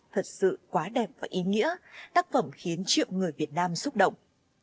thật sự quá đẹp và ý nghĩa tác phẩm khiến triệu người việt nam xúc động